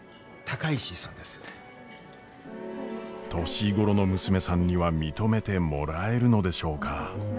年頃の娘さんには認めてもらえるのでしょうか？